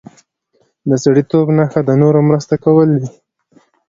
د سړیتوب نښه د نورو مرسته کول دي.